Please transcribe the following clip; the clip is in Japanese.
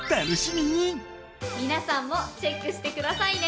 皆さんもチェックしてくださいね。